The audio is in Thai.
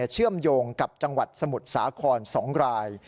เชื่อมโยงกับจังหวัดสมุทรสาคร๒ราย